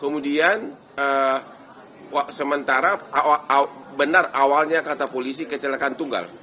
kemudian sementara benar awalnya kata polisi kecelakaan tunggal